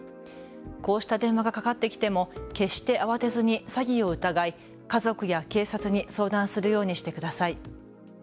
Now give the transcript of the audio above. こうした電話がかかってきても決して慌てずに詐欺を疑い家族や警察に相談するようにしてください。